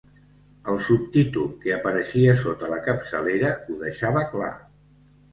El subtítol que apareixia sota la capçalera ho deixava clar: